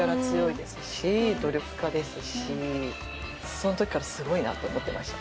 その時からすごいなって思ってました。